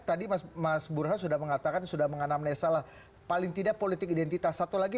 tadi mas burhan sudah mengatakan sudah menganam nesalah paling tidak politik identitas satu lagi